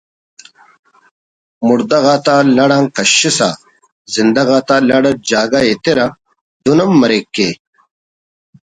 مڑدہ غاتا لڑ آن کشسا زندہ غاتا لڑ اٹ جاگہ ایترہ دن ہم مریک کہ